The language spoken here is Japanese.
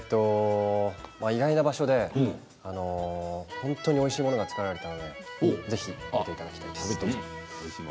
意外な場所で本当においしいものが作られていたのでぜひ見ていただきたいです。